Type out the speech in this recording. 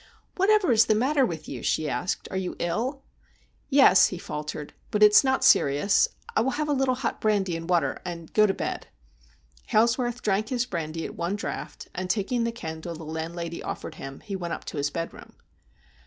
' Whatever is the matter with you ?' she asked. ' Are you ill?' ' Yes,' he faltered, ' but it's not serious. I will have a little hot brandy and water and go to bed.' Hailsworth drank his brandy at one draught, and, taking the candle the landlady offered him, he went up to his bed room.